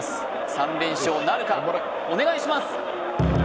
３連勝なるかお願いします